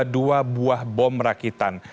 dua buah bom rakitan